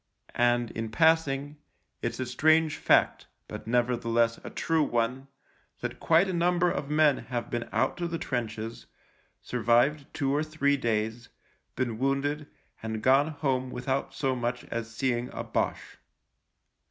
And, in passing, it's a strange fact, but nevertheless a true one, that quite a 24 THE LIEUTENANT number of men have been out to the trenches, survived two or three days, been wounded, and gone home without so much as seeing a Boche.